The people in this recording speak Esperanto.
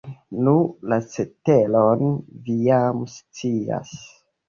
Nu, la ceteron vi jam scias.